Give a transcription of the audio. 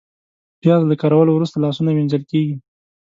پیاز له کارولو وروسته لاسونه وینځل کېږي